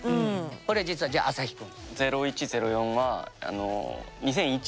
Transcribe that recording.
これ実はじゃあアサヒ君。